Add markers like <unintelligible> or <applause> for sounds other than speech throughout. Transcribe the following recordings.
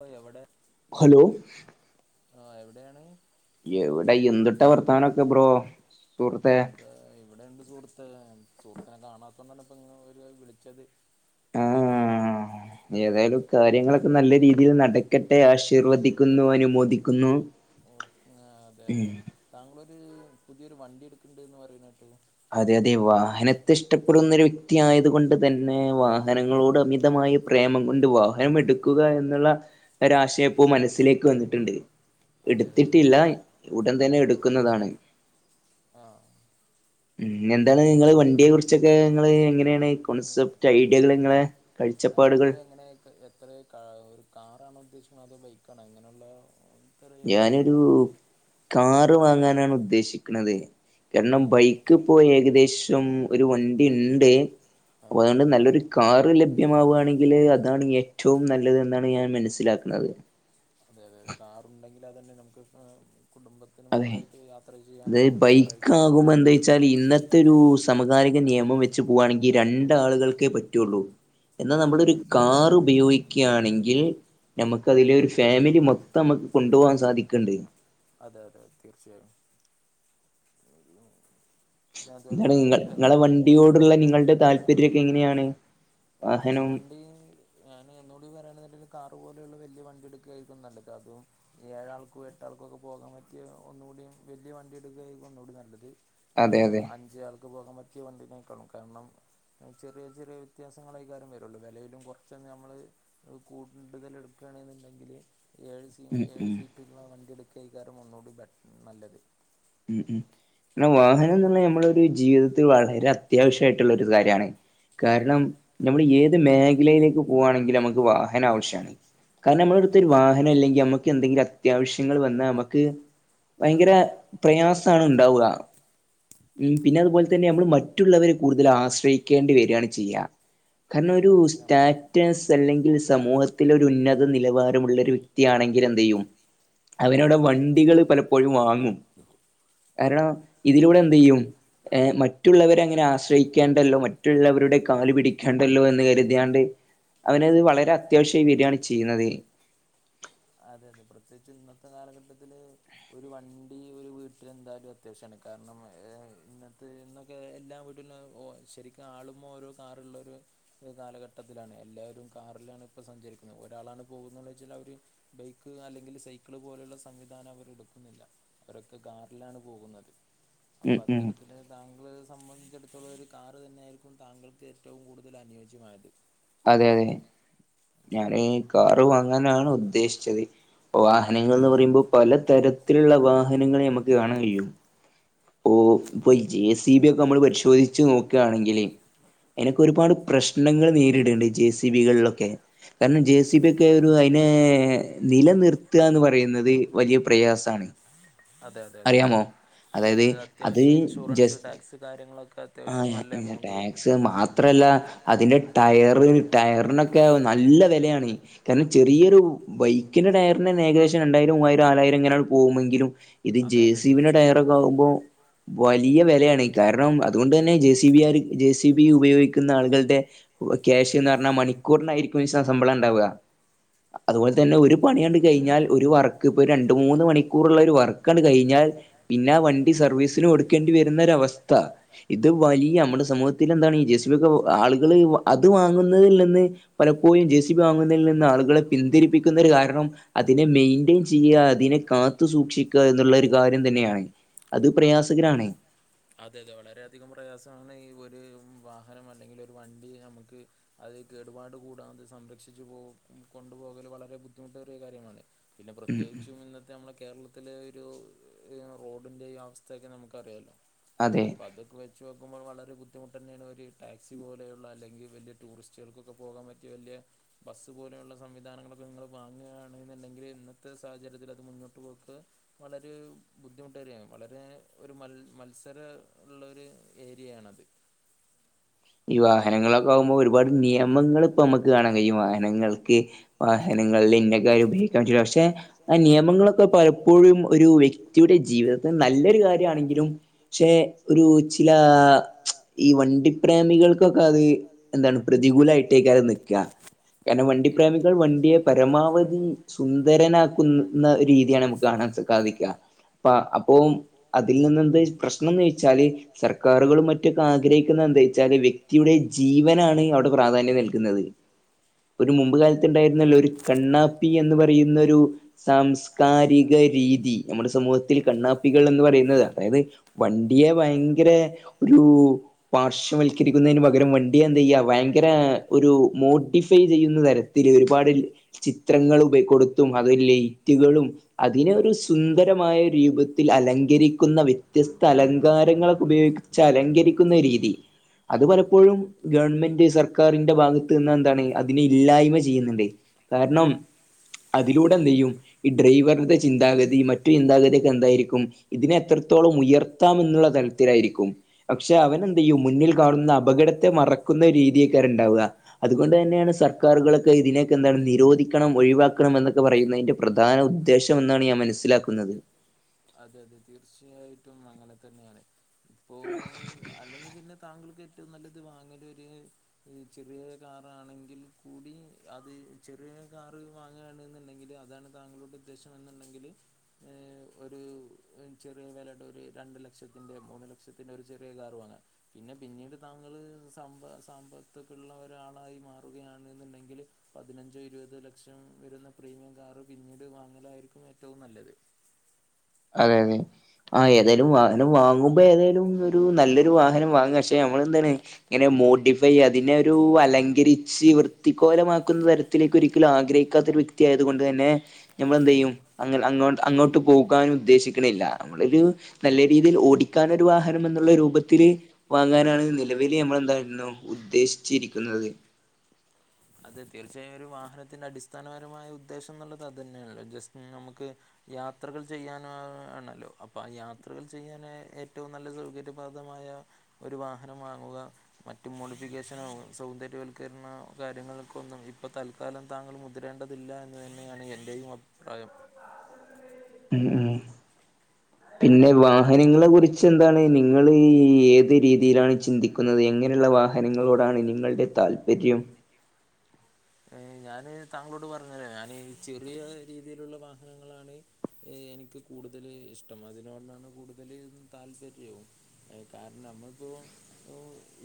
ഓ എവിടെ ആ എവിടെയാണ് എവിടൊ എന്തുട്ടാ വർത്തമാനം ഒക്കെ ബ്രോ എന്താ ഇവിടെണ്ട് സുഹൃത്തെ സുഹൃത്തിനെ കാണാത്ത കൊണ്ടാണ് ഇപ്പൊ ഇ ഒരു വിളിച്ചത് ഏതായാലും കാര്യങ്ങളൊക്കെ നല്ല രീതിയിൽ നടക്കട്ടെ ആശീർവദിക്കുന്നു അനുമോദിക്കുന്നു ഓെ അതെ അതെ താങ്കളൊരു പുതിയൊരു വണ്ടി എടുക്ക്‌ണ്ട് എന്ന് പറയുന്ന കേട്ടു അതെ അതെ വാഹനത്തെ ഇഷ്ടപ്പെടുന്ന ഒരു വ്യക്തി ആയത് കൊണ്ട് തന്നെ വാഹനങ്ങളോട് അമിതമായ പ്രേമം കൊണ്ട് വാഹനം എടുക്കുക എന്നുള്ള ഒരാശയപ്പോ മനസ്സിലേക്ക് വന്നിട്ടുണ്ട്. എടുത്തിട്ടില്ല ഇവിടൻ തന്നെ എടുക്കുന്നതാണ് ആഹ ഉ എന്താണ് നിങ്ങള് വണ്ടിയെ കുറിച്ചൊക്കെ ഇങ്ങള് എങ്ങനെ അങ്ങനെയാണ് കോൺസെപ്റ്റ് ഐഡിയകൾ ഇങ്ങെളെ കാഴ്ചപ്പാടുകൾ എത്രയ കാ ഒരു കാറാണോ ഉദ്ദേശിക്ക്ണെ അത ബൈക്കാണോ എങ്ങനെള്ള ഞാനൊരു കാറ് വാങ്ങാനാണ് ഉദ്ദേശിക്കുന്നത് കാരണം ബൈക്ക് ഇൻക് ഇപ്പൊ ഏകദേശം ഒരു വണ്ടി ഉണ്ട് അപ്പൊ അതുകൊണ്ട് നല്ലൊരു കാറ് ലഭ്യമാവുകവായാണെങ്കിൽ അതാണ് ഏറ്റവും നല്ലത് എന്നാണ് ഞാൻ മനസ്സിലാക്കുന്നത് അതെ അതെ അതെ കാറുണ്ടെങ്കിൽ അത് തന്നെ നമുക്ക് കുടുംബ മൊത്തമായിട്ട് യാത്ര ചെയ്യാനൊക്കെ കാറ ആയിക്കാരം സുഖം വച്ചാൽ ഇന്നത്തെ ഒരു സമകാലിക നിയമം വെച്ച് പോവാണെങ്കിൽ രണ്ട് ആളുകൾക്കേ പറ്റുള്ളൂ എന്നാൽ നമ്മൾ ഒരു കാർ ഉപയോഗിക്ക ണെങ്കിൽ നമുക്ക് അതില് ഒരു ഫാമിലി മൊത്തം നമുക്ക് കൊണ്ടുപോകാൻ സാധിക്ക്‌ണ്ട് അതെ അതെ തീർച്ചയായും എന്താണ് നിങ്ങ നിങ്ങളെ വണ്ടിയോടുള്ള നിങ്ങളുടെ താല്പര്യൊക്കെ എങ്ങനെയാണ് അവക്ക് വണ്ടി ഞാൻ എന്നോട് പറയയാണ്ന്ന്ണ്ടെങ്കി കാറ് പോലെയുള്ള വലിയ വണ്ടി എടുക്കുകയായിരിക്കും നല്ലത് അതും ഏഴാൾക്കും എട്ടാൾക്കും ഒക്കെ പോകാൻ പറ്റിയ ഒന്നുകൂടിയ വലിയ വണ്ടിയ എടുക്കുകായിരിക്കും ഒന്നുകൂടി നല്ലത് കേവലം അഞ്ച് ആൾക്ക് പോകാൻ പറ്റിയ വണ്ടിന നക്കളും കാരണം ചെറിയ ചെറിയ വ്യത്യാസ കാര്യം വരുള്ളൂ വിലയിലും കുറച്ച്ന്ന് നമ്മള് കൂടുതൽ എടുക്കുകയാണെന്നുണ്ടെങ്കില് ഏഴീസം ഏഴ് സീറ്റുള്ള വണ്ടി എടുക്കയ്കാരം ഒന്നുടി നല്ലത് ഉം ഉം പിന്നെ വാഹനം എന്ന് ഇള്ളത് നമ്മളെ ഒരു ജീവിതത്തിൽ വളരെ അത്യാവശ്യമായിട്ടുള്ള ഒരു കാര്യമാണ് കാരണം നമ്മൾ ഏത് മേഖലയിലേക്ക് പോകുകവാണെങ്കിലും നമുക്ക് വാഹനം ആവശ്യമാണ് കാരണം നമ്മള് എടുത്തൊരു വാഹനം ഇല്ലെങ്കിൽ നമ്മക്ക് എന്തെങ്കിലും അത്യാവശ്യങ്ങൾ വന്നാ നമ്മുക്ക് ഭയങ്കര പ്രയാസമാണ് ഉണ്ടാവ. ഉം പിന്നെ അതുപോലെ തന്നെ നമ്മള് മറ്റുള്ളവരെ കൂടുതൽ ആശ്രയിക്കേണ്ടി വരണ് ചെയ്യ കാരണം ഒരു സ്റ്റാറ്റസ് അല്ലെങ്കിൽ സമൂഹത്തിൽ ഒരു ഉന്നത നിലവാരമുള്ള ഒരു വ്യക്തിയാണെങ്കിൽ എന്ത് ചെയ്യും അവനവിടെ വണ്ടികള് പലപ്പോഴും വാങ്ങും കാരണം ഇതിലൂടെ എന്ത എന്തെയ്യും ഏ മറ്റുള്ളവരെ അങ്ങനെ ആശ്രയിക്കേണ്ടല്ലോ മറ്റുള്ളവരുടെ കാല് പിടിക്കേണ്ടല്ലോ എന്ന് കരുതിയാണ്ട് അവനത് വളരെ അത്യാവശ്യമായി വരികയാണ് ചെയ്യുന്നത് അതെ അതെ പ്രത്യേകിച്ച് ഇന്നത്തെ കാലഘട്ടത്തില് ഒരു വണ്ടി ഒരു വീട്ടിൽ എന്തായാലും അത്യാവശ്യമാണ് കാരണം ഏ ഇന്നത്തെ എല്ലാം വീട്ടിലും ശരിക്കും ആളുമ്മോ ഓരോ കാറുള്ളൊരു ഒരു കാലഘട്ടത്തിലാണ് എല്ലാവരും കാറിലാണ് ഇപ്പ സഞ്ചരിക്കുന്നത് ഒരാളാണ് പോകുന്ന വെച്ചാൽ അവര് ബൈക്ക് അല്ലെങ്കിൽ സൈക്കിള് പോലെയുള്ള സംവിധാനം അവർ എടുക്കുന്നില്ല അവരൊക്കെ കാാറിലാണ് പോകുന്നത് അപ്പൊ അത്തരത്തില് താങ്കളെ സംബന്ധിച്ചിടുത്തോളം ഒരു കാറ് തന്നെയായിയിരിക്കും താങ്കൾക്ക് ഏറ്റവും കൂടുതൽ അനുയോജ്യമായത് അതെ അതെ ഞൻ കാറ് വാങ്ങാനാണ് ഉദ്ദേശിച്ചത് ഇപ്പൊ വാഹനങ്ങൾ എന്ന് പറയുമ്പോൾ പലതരത്തിലുള്ള വാഹനങ്ങള് നമുക്ക് കാണാൻ കഴിയും ഓ ഇപ്പൊ ഈ ജെസി ബി ഒക്കമ്മള് പരിശോധിച്ച് നോക്കുകാണെങ്കില് എനക്കൊരുപാട് പ്രശ്നങ്ങള് നേരിടേണ്ട് ഈ ജെ സി ബികളിലൊക്കെ കാരണം ജെ സി ബി ഒക്കെ ഒരു അയ്നെ നിലനിർത്തുകാന്ന് പറയുന്നത് വലിയ പ്രയാസമാണ്.. അതെ അതെ അതെ.... അത് അത്യാവശ്യം ഇൻഷുറൻസ് ടാക്സ് കാര്യങ്ങളൊക്കെ അത്യാവശ്യം നല്ല എമൗണ്ട് വരും... മാത്രല്ല അതിന് ടയർ ടയറിനക്കെ നല്ല വെലയാണ്. കാരണം ചെറിയൊരു ബൈക്കിന്റെ ടയറിനന്നെ ഏകദേശം രണ്ടായിരം മൂവായിരം നാലായിരം ഇങ്ങനെ ആട് പോകുമെങ്കിലും.. ഇത് ജെ സി ബീടെ ടയറെക്കാവുമ്പോ.. വലിയ വെലയാണെ കാരണം അതുകൊണ്ട് തന്നെ ജെ സി ബി ആരു ജെ സി ബി ഉപയോഗിക്കുന്ന ആളുകൾടെ.. ക്യാഷ് ന്ന്റഞ്ഞാ മണിക്കൂറിനായിരിക്കും ശ ശമ്പളം ഉണ്ടാവാ. അതുപോലെ തന്നെ ഒരു പണിയാട്ട് കയ്ഞ്ഞാൽ ഒരു വർക്ക് ഇപ്പൊ രണ്ട് മൂന്ന് മണിക്കൂറുള്ള ഒരു വർക്കാട്ട് കഴിഞ്ഞാൽ.. പിന്നാ വണ്ടി സർവീസിന് കൊടുക്കേണ്ടി വരുന്നൊരവസ്ഥ. ഇത് വലിയ നമ്മുടെ സമൂഹത്തിലെന്താണ് ഈ ജെസി ബി ഒക്കെ ആളുകള് അത് വാങ്ങുന്നതില്ലന്ന് പലപ്പോഴും ജെ സി ബി വാങ്ങുന്നയ്ൽ നിന്ന് ആളുകളെ പിന്തിരിപ്പിക്കുന്ന ഒരു കാരണം.. അതിനെ മെയിന്റ്റെയിൻ ചെയ്യുക അതിനെ കാത്തു സൂക്ഷിക്കുക എന്നുള്ള ഒരു കാര്യം തന്നെയാണ്.. അത് പ്രയാസകരാണ്. അതെ അതെ വളരെയധികം പ്രയാസമാണ് ഈ ഒരു വാഹനം അല്ലെങ്കിൽ ഒരു വണ്ടി നമുക്ക്. അത് കേടുപാട് കൂടാതെ സംരക്ഷിച്ചു പോ കൊണ്ടുപോകല് വളരെ ബുദ്ധിമുട്ടേറിയ കാര്യമാണ്. പിന്നെ പ്രത്യേകിച്ചും ഇന്നത്തെ അമ്മള കേരളത്തിലെ ഒരു ഇ റോഡിന്റെ ഈ അവസ്ഥയൊക്കെ നമുക്ക് അറിയാല്ലോ. അതെ.. അതൊക്കെ വെച്ച് നോക്കുമ്പോ വളരെ ബുദ്ധിമുട്ടന്നെയാണ് ഒരു ടാക്സി പോലെയുള്ള അല്ലെങ്കി വലിയ ടൂറിസ്റ്റ് ശ്കൾക്കെക്കെ പോകാൻ പറ്റിയ വല്യ ബസ്സ് പോലെയുള്ള സംവിധാനങ്ങളൊക്കെ നിങ്ങൾ വാങ്ങ്കാണ്ന്നുണ്ടെങ്കില് ഇന്നത്തെ സാഹചര്യത്തിലത് മുന്നോട്ട് പോക്ക് വളരെ ബുദ്ധിമുട്ടായ കാര്യം വളരെ ഒരു മത്സ്യ ത്ര ഒള്ളൊരു ഏരിയാണത് ഈ വാഹനങ്ങളൊക്കെ ആമ്പോ ഒരുപാട് നിയമങ്ങളിപ്പൊ അമ്മക്ക് കാണാൻ കഴിയും വാഹനങ്ങൾക്കേ. വാഹനങ്ങളിൽ <unintelligible> ഉപയോക്കാൻ പറ്റൂല പക്ഷെ ആ നിയമങ്ങളൊക്കെ പലപ്പോഴും ഒരു വ്യക്തിയുടെ ജീവിതത്തിൽ നല്ലൊരു കാര്യാണെങ്കിലും പക്ഷെ ഒരു ചില ഈ വണ്ടി. പ്രേമികൾക്കൊക്കെ അത് എന്താണ് പ്രതികൂലായിട്ടേക്കാരനിക്കാ കാരണം വണ്ടി പ്രേമികൾ വണ്ടിയെ പരമാവധി സുന്ദരനാക്കുന്ന ഒര് രീതിയാണ് നമുക്ക് കാണാൻ സാധിക്ക സാധിക്ക അപ്പ അപ്പോ അതിൽ നിന്ന് എന്ത് പ്രശ്നന്ന് ചോയ്ച്ചാല് സർക്കാരുകളും മറ്റ മറ്റും ആഗ്രഹിക്കുന്ന എന്താച്ചാല് വ്യക്തിയുടെ ജീവനാണ് അവിടെ പ്രാധാന്യം നൽക്ന്നത് ഒരു മുമ്പ് കാലത്ത്ണ്ടായിരുന്നല്ലോ ഒരു കണ്ണാപ്പി എന്ന് പറയുന്നൊരു സാംസ്കാരിക രീതി നമ്മുടെ സമൂഹത്തിൽ കണ്ണാപ്പികൾ എന്ന് പറയുന്നത് അതായത് വണ്ടിയെ ഭയങ്കര ഒരു പാഷ വൽക്കരിക്കുന്നതിന് പകരം വണ്ടി എന്തെയ്യാ ഭയങ്കര ഒരു മോട്ടിഫൈ ചെയ്യുന്ന തരത്തിലൊരുപാട് ചിത്രങ്ങൾ ഉപെ കൊടുത്തും അത് ലേറ്റുകളും അതിനെ ഒരു സുന്ദരമായ രൂപത്തിൽ അലങ്കരിക്കുന്ന വ്യത്യസ്ത അലങ്കാരങ്ങളൊക്കെ ഉപയോഗിക്ക അലങ്കരിക്കുന്ന രീതി അത് പലപ്പോഴും ഗവൺമെന്റ് സർക്കാരിന്റെ ഭാഗത്ത് നിന്ന എന്താണ് അതിനെ ഇല്ലായ്മ ചെയ്യുന്നുണ്ട് കാരണം അതിലൂടെ എന്തെയ്യും ഈ ഡ്രൈവറുടെ ചിന്താഗതി മറ്റു ചിന്താഗതിക്കെ എന്തായിരിക്കും ഇതിനെ എത്രത്തോളം ഉയർത്താം എന്നുള്ള തലത്തിലായിരിക്കും പക്ഷെ അവൻ എന്ത് ചെയ്യും മുന്നിൽ കാണുന്ന അപകടത്തെ മറക്കുന്ന രീതിയൊക്കാരു ഉണ്ടാവുക അതുകൊണ്ട് തന്നെയാണ് സർക്കാരുകളൊക്കെ ഇതിനേക്കെന്താണ് നിരോധിക്കണം ഒഴിവാക്കണം എന്നൊക്കെ പറയുന്നതിന്റെ പ്രധാന ഉദ്ദേശം എന്നാണ് ഞാൻ മനസ്സിലാക്കുന്നത് അതെ അതെ തീർച്ചയായിട്ടും അങ്ങനെ തന്നെയാണ്. ഇപ്പോ അല്ലെങ്കിൽ പിന്നെ താങ്കൾക്ക് ഏറ്റവും നല്ലത് വാങ്ങല് ഒരു ഈ ചെറിയ കാറാണെങ്കിൽ കൂടി അത് ചെറിയ കാർ വാങ്ങാണ്ന്നുണ്ടെങ്കില് അതാണ് താങ്കളുടെദ്ദേശം എന്നൊണ്ടെങ്കില് ഏ ഒരു ചെറിയ വെലടെ ഒരു രണ്ട് ലക്ഷത്തിൻ്റെ മൂന്ന് ലക്ഷത്തിൻ്റെ ഒരു ചെറിയ കാറ് വാങ്ങാൻ പിന്നെ പിന്നീട് താങ്കള് സമ്പ സമ്പത്തക്കുള്ള ഒരാളായി മാറുകയാണെന്നുണ്ടെങ്കില് പതിനഞ്ചോ ഇരുപതോ ലക്ഷം വരുന്ന പ്രീമിയം കാറ് പിന്നീട് വാങ്ങലായിരിക്കും ഏറ്റവും നല്ലത് അതെ അതെ ആ ഏതായാലും വാഹനം വാങ്ങുമ്പോ ഏതായാലും ഒരു നല്ലൊരു വാഹനം വാങ്ങ പക്ഷെ നമ്മൾന്താണെ ഇങ്ങനെ മോഡിഫൈ അതിനെ ഒരു അലങ്കരിച്ച് വൃത്തിക്കോലമാക്കുന്ന തര വത്തിലേക്ക് ഒരിക്കലും ആഗ്രഹിക്കാത്തൊരു വ്യക്തിയായതു കൊണ്ട് തന്നെ നമ്മൾ എന്ത് ചെയ്യും ങ്ങ് അങ്ങോട്ട് പോകും ഉദ്ദേശിക്ക്ണില്ല നമ്മളൊരു നല്ല രീതിയിൽ ഓടിക്കാനൊരു വാഹനം എന്നുള്ള രൂപത്തില് വാങ്ങാനാണ് നിലവില് നമ്മളെന്തായിരുന്നു ഉദ്ദേശിച്ചിരിക്കുന്നത് അതെ തീർച്ചയായും ഒരു വാഹനത്തിന്റെ അടിസ്ഥാനപരമായ ഉദ്ദേശം എന്നുള്ളത് അത് തന്നെയല്ലോ ജസ്റ്റ് നമുക്ക് യാത്രകൾ ചെയ്യാനാണല്ലോ അപ്പൊ ആ യാത്രകൾ ചെയ്യാനാ ഏറ്റവും നല്ല സൗകര്യം പാദമായ ഒരു വാഹനം വാങ്ങുക മറ്റ് മോഡിഫിക്കേഷൻ സൗന്ദര്യവൽക്കരണ കാര്യങ്ങൾ ക്കൊന്നും ഇപ്പൊ തൽക്കാലം താങ്കൾ മുതിരേണ്ടതില്ല എന്ന് തന്നെയാണ് എന്റെയും അഭിപ്രായം ഉം ഉം <inaudible> പിന്നെ വാഹനങ്ങളെ കുറിച്ച് എന്താണ് നിങ്ങൾ ഈ ഏത് രീതിയിലാണ് ചിന്തി ക്കുന്നത് എങ്ങനെയുള്ള വാഹനങ്ങളോടാണ് നിങ്ങളുടെ താല്പര്യം ഞാന് താങ്കളോട് പറഞ്ഞല്ലേ ഞാന് ഈ ചെറിയ രീതിയിലുള്ള വാഹനങ്ങളാണ് ഏഹ് എനിക്ക് കൂടുതല് ഇഷ്ടം അതിനോണ്ടാണ് കൂടുതല് താല്പര്യവും കാരണം നമ്മൾപ്പോ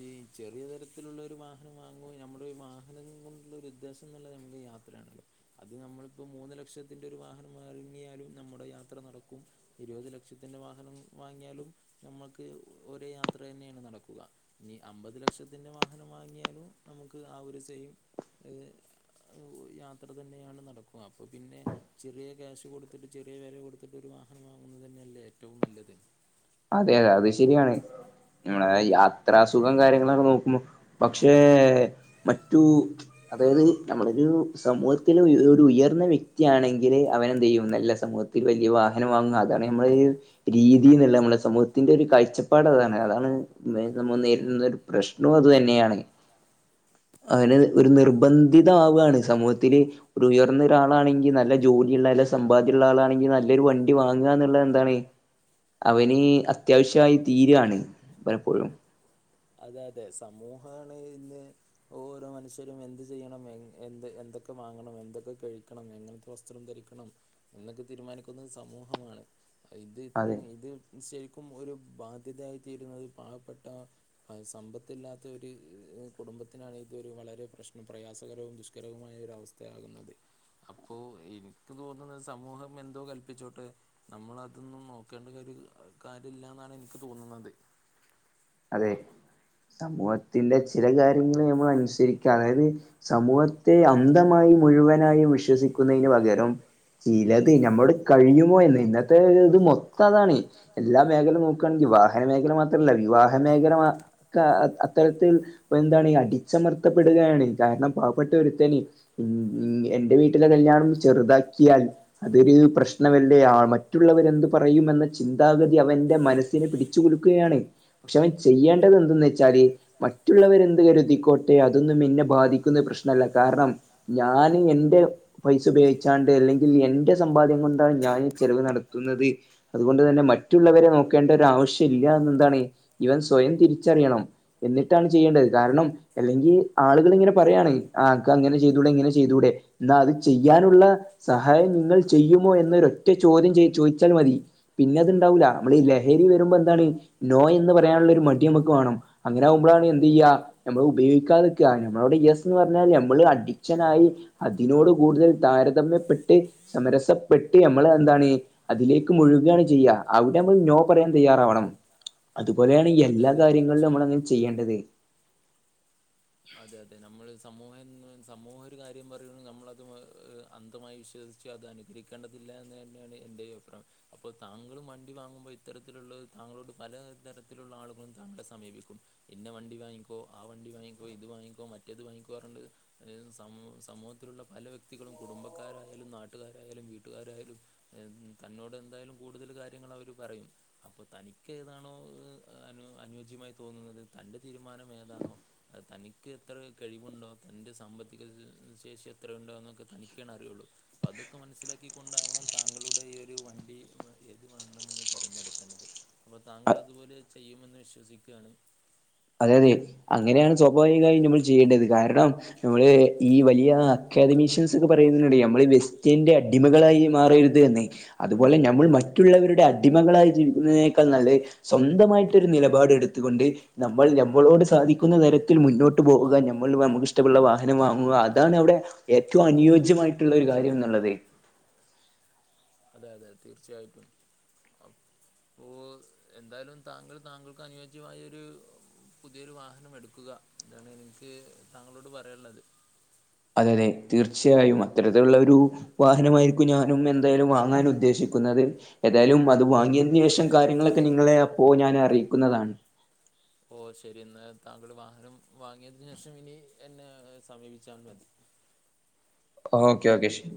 ഈ ചെറിയ തരത്തിലുള്ളരു വാഹ വാഹനം വാങ്ങുമ്പോ നമ്മുടെ ഒരു വാഹനം കൊണ്ടുള്ള ഒരു ഉദ്ദേശം എന്നുള്ളത് നമുക്ക് യാത്രയാണല്ലോ അത് നമ്മളിപ്പോ മൂന്ന് ലക്ഷത്തിന്റെ ഒരു വാഹനം വാങ്ങിയാലും നമ്മുടെ യാത്ര നടക്കും ഇരുപത് ലക്ഷത്തിന്റെ വാഹനം വാങ്ങിയാലും നമ്മൾക്ക് ഒരേ യാത്ര തന്നെയാണ് നടക്കുക ഇനി അമ്പത് ലക്ഷത്തിന്റെ വാഹനം വാങ്ങിയാലും നമുക്ക് ആ ഒരു സെയിം ഏ യാത്ര തന്നെയാണ് നടക്കു അപ്പോ പിന്നെ ചെറിയ ക്യാഷ് കൊടുത്തിട്ട് ചെറിയ വില കൊടുത്തിട്ട് ഒരു വാഹനം വാങ്ങുന്നത് തന്നെയല്ലേ ഏറ്റവും നല്ലത് അതെ അതെ അത് ശരിയാണ് നമ്മളെ യാത്രാസുഖം കാര്യങ്ങളൊക്കെ നോക്കുമ്പോ പക്ഷേ മറ്റു അതായത് നമ്മളൊരു സമൂഹത്തിൽ ഒരു ഉയർന്ന വ്യക്തിയാണെങ്കില് അവന എന്ത് ചെയ്യും നല്ല സമൂഹത്തി വലിയ വാഹനം വാങ്ങുക അതാണ് നമ്മള രീതിന്നല്ല നമ്മ സമൂഹത്തിന്റെ ഒരു കാഴ്ചപ്പാട് അതാണ് അതാണ് നമ്മൾ നേരിടുന്ന ഒരു പ്രശ്നവും അത് തന്നെയാണ് <unintelligible> അതിന് ഒരു നിർബന്ധിതമാവുകയാണ് സമൂഹത്തിൽ ഒരു ഉയർന്ന ഒരാളാണെങ്കിൽ നല്ല ജോലിയുള്ള നല്ല സമ്പാദ്യമുള്ള ആളാണെങ്കിൽ നല്ലൊരു വണ്ടി വാങ്ങുക എന്നുള്ളത് എന്താണ് അവന് അത്യാവശ്യമായി തീരാണ് പലപ്പോഴും അതെ അതെ സമൂഹാണ് ഇന്ന് ഓരോ മനുഷ്യരും എന്ത് ചെയ്യണം എ എന്തൊക്കെ വാങ്ങണം എന്തൊക്കെ കഴിക്കണം എങ്ങനത്തെ വസ്ത്രം ധരിക്കണം എന്നൊക്കെ തീരുമാനിക്കുന്നത് സമൂഹമാണ് ഇത് ഇത് ശരിക്കും ഒരു ബാധ്യതയായിത്തീരുന്നത് പാവപ്പെട്ട സമ്പത്തില്ലാത്ത ഒരു കുടുംബത്തിനാണ് ഇതൊരു വളരെ പ്രശ്നം പ്രയാസകരവും ദുഷ്കരവുമായ ഒരു അവസ്ഥ <unintelligible> അപ്പോ എനിക്ക് തോന്ന്ണത് സമൂഹം എന്തോ കല്പ്പിച്ചോട്ടെ നമ്മളതൊന്നും നോക്കേണ്ടൊ കാര്യല്ലാന്നാണ് ഇൻക്ക് തോന്ന്ണത് അതെ സമൂഹത്തിന്റെ ചില കാര്യങ്ങൾ നമ്മൾ അനുസരി അതായത് സമൂഹത്തെ അന്തമായി മുഴുവനായും വിശ്വസിക്കുന്നതിന് പകരം ചിലത് ഞമ്മോട് കഴിയുമോ എന്ന് ഇന്നത്തെ ഇത് മൊത്തം അതാണ് എല്ലാ മേഖലയും നോക്കുകയാണെങ്കിൽ വാഹന മേഖല മാത്രമല്ല വിവാഹ മേഖല അത്തരത്തിൽ ഇപ്പൊ എന്താണ് അടിച്ചമർത്തപ്പെടുകയാണ് കാരണം പാവപ്പെട്ട ഒരുത്തന് ഉം എൻറെ വീട്ടിലെ കല്യാണം ചെറുതാക്കിയാൽ അതൊരു പ്രശ്നമല്ലേ ആ മറ്റുള്ളവർ എന്ത് പറയുമെന്ന ചിന്താഗതി അവന്റെ മനസ് പിടിച്ചു കൊടുക്കുകയാണ് പക്ഷെ അവൻ ചെയ്യേണ്ടത് എന്ന് വെച്ചാല് മറ്റുള്ളവരെ എന്ത് കരുതിക്കോട്ടെ അതൊന്നും നിന്നെ ബാധിക്കുന്ന പ്രശ്നമല്ല കാരണം ഞാന് എൻറെ പൈസുപയോഗിച്ചാണ്ട് അല്ലെങ്കിൽ എൻറെ സമ്പാദ്യം കൊണ്ടാണ് ഞാൻ ഈ ചെലവ് നടത്തുന്നത് അതുകൊണ്ട് തന്നെ മറ്റുള്ളവരെ നോക്കേണ്ട ഒരു ആവശ്യല്ലാന്ന്ന്താണ് ഇവർ സ്വയം തിരിച്ചറിയണം എന്നിട്ടാണ് ചെയ്യേണ്ടത് കാരണം. അല്ലെങ്കിൽ ആളുകളിങ്ങനെ പറയാണ് ആ ഇക്ക അങ്ങനെ ചെയ്തൂടെ ഇങ്ങനെ ചെയ്തൂടെ ന്നാ അത് ചെയ്യാനുള്ള സഹായം നിങ്ങൾ ചെയ്യുമോ എന്നൊരൊറ്റ ചോദ്യം ചെയ് ചോയ്ച്ചാൽ മതി പിന്നത്ണ്ടാവൂല നമ്മളീ ലഹരി വരുമ്പൊന്താണ് നോയെന്ന് പറ പയാനുള്ളൊരു മടി ഞമ്മക്ക് വാണം അങ്ങനാവുമ്പളാണ് എന്തെയ്യാ. നമ്മള് ഉപയോഗിക്കാതെക്കാ നമ്മളവ്ടെ <unintelligible> പറഞ്ഞാൽ നമ്മള് അഡിക്ഷനായി അതിനോട് കൂടുതൽ താരതമ്യപ്പെട്ട് സമരസപ്പെട്ട് നമ്മളെന്താണ് അതിലേക്ക് മുഴുകാണ് ചെയ്യാ അവിടെ നമ്മൾ നോ പറയാൻ തയ്യാറാവണം പോലേണ് ഈ എല്ലാ കാര്യങ്ങള്ലും നമ്മളങ്ങനെ ചെയ്യേണ്ടത് അതെ അതെ നമ്മൾ സമൂഹ <unintelligible> സമൂഹൊര് കാര്യം പറയ്ണ് നമ്മളത് അന്ധമായി വിശ്വസ് ച്ച് അത് അനുഗ്രഹിക്കേണ്ടതില്ല എന്ന് തന്നെയാണ് എൻ്റെയും അപ്രായം. അപ്പോ താങ്കളും വണ്ടി വാങ്ങുമ്പൊ ഇത്തരത്തിലുള്ള താങ്കളോട് പല തരത്തിലുള്ള ആളുകളും താങ്കളെ സമീപിക്കും ഇന്ന വണ്ടി വാങ്ങിക്കോ ആ വണ്ടി വാങ്ങിക്കോ ഇത് വാങ്ങിക്കോ മറ്റേത് വാങ്ങിക്കോർഞ്ഞ്ട്ട് അതേത് സമൂഹം സമൂഹത്തിലുള്ള പല വ്യക്തികളും കുടുംബക്കാരായാലും നാട്ടുകാരായാലും വീട്ടുകാരായാലും എ തന്നോടെന്തായാലും കൂടുതൽ കാര്യങ്ങൾ അവര് പറയും. അപ്പൊ തനിക്കേതാണോ അനുയോജ്യമായി തോന്നുന്നത് തന്റെ തീരുമാനം ഏതാണോ അത് തനിക്ക് എത്ര കഴിവുണ്ടോ തൻ്റെ സാമ്പത്തിക ശേഷി എത്രയുണ്ടോ എന്നൊക്കെ തനിക്കാണ് അറിയൊള്ളൂ അപ്പ അതൊക്കെ മനസ്സിലാക്കിക്കൊണ്ടാവണം താങ്കളുടെ ഈ ഒരു വണ്ടി ഏത് വാങ്ങണംന്ന് തെരഞ്ഞെടുക്കേണ്ടത് പ്പോ താങ്കൾ അതുപോലെ ചെയ്യുമെന്ന് വിശ്വസിക്കാണ്. അതെയതെ അങ്ങനെയാണ് സ്വാഭാവികായും നമ്മൾ ചെയ്യേണ്ടത് കാരണം നമ്മള് ഈ വലിയ അക്കാദമീഷ്യൻസൊക്കെ പറയുന്നതിനിടെ നമ്മളീ വെസ്റ്റേന്റെ <unintelligible> അതുപോലെ ഞമ്മൾ മറ്റുള്ളവരുടെ അടിമകളായി ജീവിക്കുന്നതിനേക്കാൾ നല്ലത്. സ്വന്തമായിട്ടൊരു നിലപാട് എടുത്തു കൊണ്ട് നമ്മൾ നമ്മളെകൊണ്ട് സാധിക്കുന്ന തരത്തിൽ മുന്നോട്ട് പോവുക നമ്മൾ നമുക്ക് ഇഷ്ടമുള്ള വാഹനം വാങ്ങുക അതാണ് അവിടെ ഏറ്റവും അനുയോജ്യമായിട്ടുള്ള ഒരു കാര്യംന്ന്ള്ളത് അതെ അതെ തീർച്ചയായിട്ടും അഹ് ഓ എന്തായാലും താങ്കൾ താങ്കൾക്ക് അനുയോജ്യമായൊരു പുതിയൊരു വാഹനം എടുക്കുക ഇതാണ് എനിക്ക് താങ്കളോട് പറയാനുള്ളത് <unintelligible> തീർച്ചയായും അത്തരത്തിലുള്ളൊരു വാഹനമായിരിക്കും ഞാനും എന്തായാലും വാങ്ങാൻ ഉദ്ദേശിക്കുന്നത് ഏതായാലും അത് വാങ്ങിയതിന് ശേഷം കാര്യങ്ങളൊക്കെ നിങ്ങളെ അപ്പോ ഞാൻ അറിയിക്കുന്നതാണ്. ഓ ശരി എന്നാ താങ്കൾ വാഹനം വാങ്ങിയതിന് ശേഷം ഇനി എന്നെ സമീപിച്ചാൽ മതി ഓക്കെ ഓക്കെ ശരി